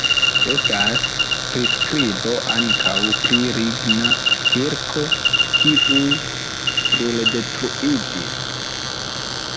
Estas priskribo ankaŭ pri ligna kirko, kiu bruldetruiĝis.